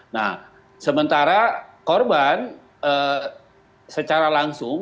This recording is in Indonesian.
nah sementara korban secara langsung